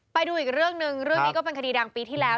ไปดูอีกเรื่องหนึ่งเรื่องนี้ก็เป็นคดีดังปีที่แล้ว